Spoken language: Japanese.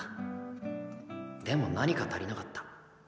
でも何か足りなかった。